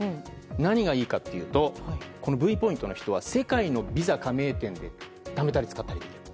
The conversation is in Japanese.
何がいいかっていうとこのＶポイントの人は世界のＶＩＳＡ加盟店でためたり使ったりできる。